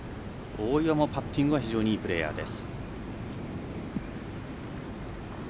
大岩もパッティングも非常にいいプレーヤーです。